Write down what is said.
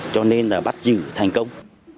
cho nên là bắt giữ thành công